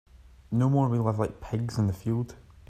No more we live like pigs in the field.